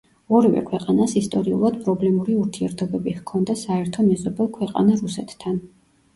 ორივე ქვეყანას ისტორიულად პრობლემური ურთიერთობები ჰქონდა საერთო მეზობელ ქვეყანა, რუსეთთან.